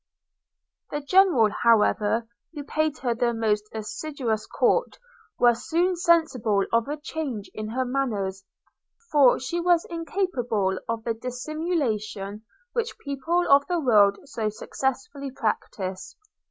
The General, however, who paid her the most assiduous court, was soon sensible of a change in her manners; for she was incapable of the dissimulation which people of the world so successfully practise.